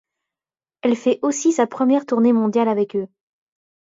Elle fait aussi sa première tournée mondiale avec eux.